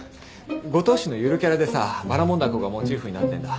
五島市のゆるキャラでさバラモン凧がモチーフになってんだ。